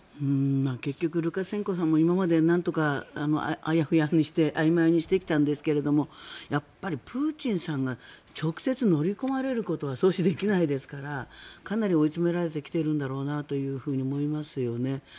結局、ルカシェンコさんも今まで、なんとかあやふやにして、あいまいにしてやってきたんですがやっぱりプーチンさんが直接、乗り込まれることは阻止できないですからかなり追い詰められてきているんだろうなと思いますよね。